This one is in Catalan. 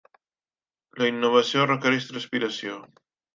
La innovació requereix transpiració.